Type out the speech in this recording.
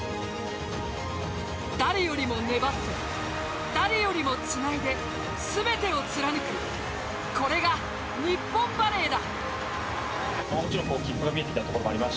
誰よりも粘って誰よりもつないで全てを貫くこれが日本バレーだ。